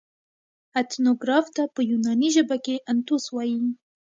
اتنوګراف ته په یوناني ژبه کښي انتوس وايي.